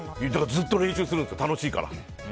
ずっと練習するんですよ楽しいから。